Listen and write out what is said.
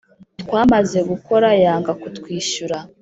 Twamaze gukora yanga kutwishyura